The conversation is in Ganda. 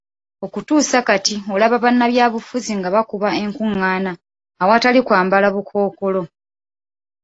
Okutuusa kati olaba bannabyabufuzi nga bakuba enkung'aana awatali kwambala bukookolo.